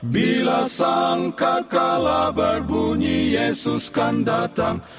bila sangka kalah berbunyi yesus kan datang